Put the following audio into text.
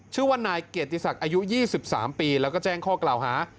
ชื่อว่านายเกียรติศักดิ์อายุ๒๓ปีแล้วก็แจ้งข้อกล่าวหา